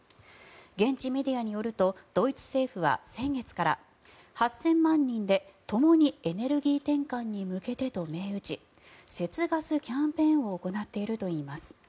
現地メディアによるとドイツ政府は先月から８０００万人でともにエネルギー転換に向けてと銘打ち節ガスキャンペーンを行っているといいます。